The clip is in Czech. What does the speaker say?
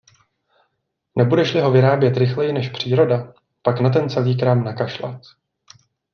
Nebudeš-li ho vyrábět rychleji než příroda, pak na ten celý krám nakašlat.